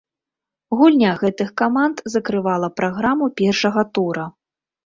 Гульня гэтых каманд закрывала праграму першага тура.